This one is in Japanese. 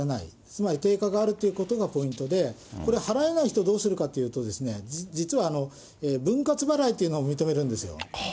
つまり定価があるということがポイントで、これ、払えない人どうするかというとですね、実は分割払いというのを認めるんですよ。